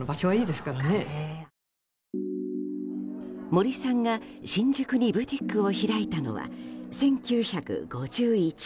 森さんが新宿にブティックを開いたのは１９５１年。